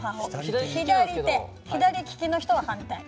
左利きの人は反対。